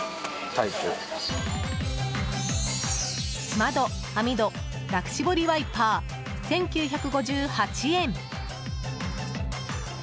窓・網戸楽絞りワイパー１９５８円。